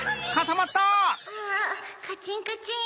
ああカチンカチン。